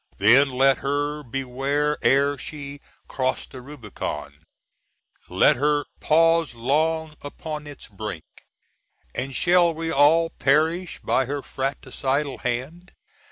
Then let her beware ere she "cross the Rubicon" let her "pause long upon its brink." And shall we all perish by her fratricidal hand?